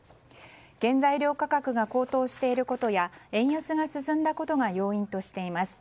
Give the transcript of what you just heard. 原材料価格が高騰していることや円安が進んだことが要因としています。